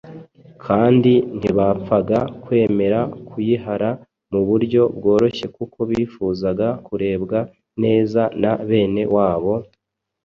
kandi ntibapfaga kwemera kuyihara mu buryo bworoshye kuko bifuzaga kurebwa neza na bene wabo,